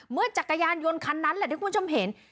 จักรยานยนต์คันนั้นแหละที่คุณผู้ชมเห็น